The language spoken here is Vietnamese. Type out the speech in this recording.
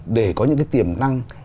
để có những tiềm năng